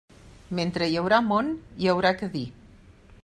Mentre hi haurà món hi haurà què dir.